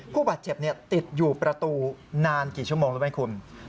ผู้บาดเจ็บติดอยู่ประตูนานกี่ชั่วโมงรู้ไหมคุณ